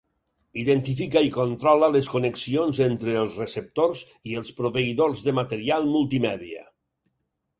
Identifica i controla les connexions entre els receptors i els proveïdors de material multimèdia.